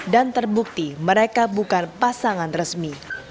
dan terbukti mereka bukan pasangan resmi